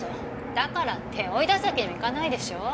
だからって追い出すわけにもいかないでしょ。